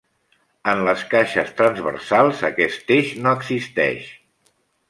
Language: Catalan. En les caixes transversals aquest eix no existeix.